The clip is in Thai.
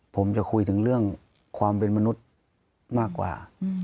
ผมจะคุยถึงเรื่องความเป็นมนุษย์มากกว่า